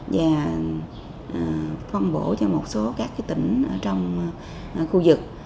và phân bổ cho một số các tỉnh trong khu vực